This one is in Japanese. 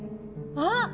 あっ！